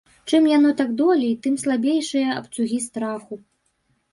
Чым яно так долей, тым слабейшыя абцугі страху.